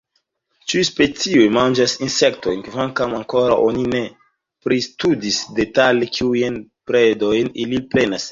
Ĉiuj specioj manĝas insektojn, kvankam ankoraŭ oni ne pristudis detale kiujn predojn ili prenas.